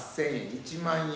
１万円。